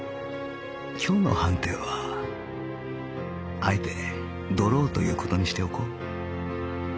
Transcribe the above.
今日の判定はあえてドローという事にしておこう